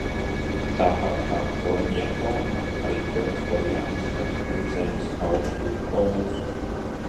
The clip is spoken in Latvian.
Tāpat kā Oimjakona, arī Verhojanska ir Zemes aukstuma pols.